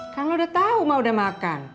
kan lo udah tahu mak udah makan